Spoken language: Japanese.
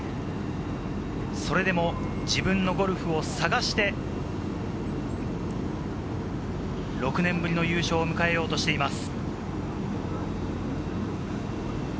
それでも自分のゴルフを探して、６年ぶりの優勝を迎えようとしています。